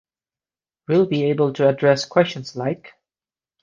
We’ll be able to address questions like: